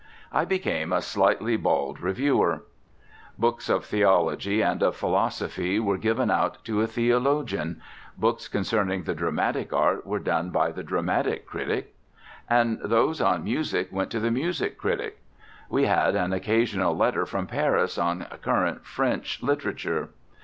I became a slightly bald reviewer. Books of theology and of philosophy were given out to a theologian; books concerning the dramatic art were done by the dramatic critic; and those on music went to the music critic. We had an occasional letter from Paris on current French literature.